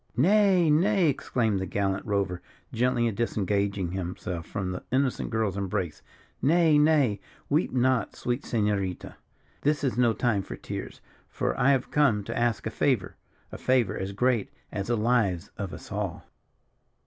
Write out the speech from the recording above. "Nay, nay!" exclaimed the gallant rover, gently disengaging himself from the innocent girl's embrace; "nay, nay! weep not, sweet Senorita, this is no time for tears, for I have come to ask a favour a favour as great as the lives of us all."